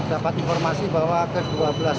dapat informasi bahwa kebuatan